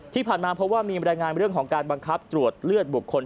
ที่ผ่านมาเพราะว่ามีบรรยายงานเรื่องของการบังคับตรวจเลือดบุคคล